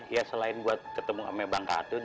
ya selain buat ketemu sama bang katun